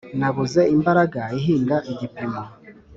Nabuze imbaraga ihinga igipimo